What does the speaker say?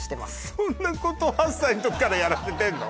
そんなこと８歳の時からやらせてんの？